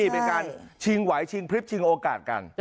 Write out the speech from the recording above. เป็นการชิงไหวชิงพลิบชิงโอกาสกัน